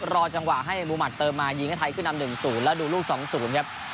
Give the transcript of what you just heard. รอจังหวะให้มุมัติเติมมายิงให้ไทยขึ้นนำ๑๐แล้วดูลูก๒๐ครับ